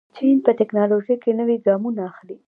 چین په تکنالوژۍ کې نوي ګامونه اخلي.